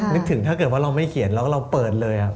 นึกถึงถ้าเราไม่เขียนแล้วก็เราเปิดเลยอะ